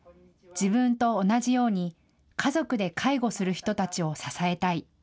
自分と同じように家族で介護する人たちを支えたい。